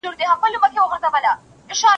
که هلک راشي انا به مېره شي.